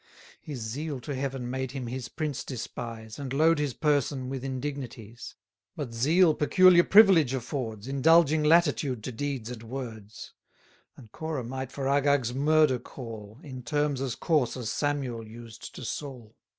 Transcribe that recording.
His zeal to heaven made him his prince despise, And load his person with indignities. But zeal peculiar privilege affords, Indulging latitude to deeds and words: And Corah might for Agag's murder call, In terms as coarse as Samuel used to Saul.